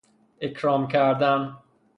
اکرام کردن